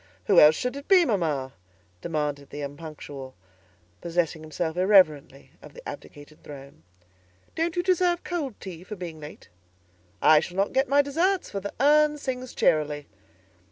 "Who else should it be, mamma?" demanded the Unpunctual, possessing himself irreverently of the abdicated throne. "Don't you deserve cold tea, for being late?" "I shall not get my deserts, for the urn sings cheerily."